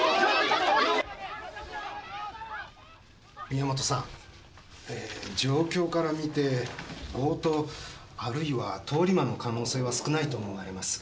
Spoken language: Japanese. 宮元さん状況から見て強盗あるいは通り魔の可能性は少ないと思われます。